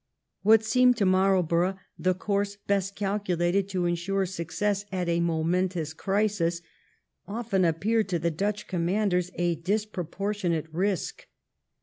What seemed to Marl 1709 THE BATTLE. 27 borough the course best calculated to ensure success at a momentous crisis often appeared to the Dutch commanders a disproportionate risk.